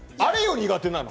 苦手なの。